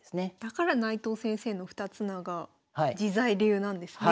だから内藤先生の二つ名が自在流なんですね。